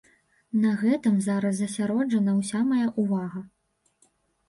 На гэтым зараз засяроджана ўся мая ўвага.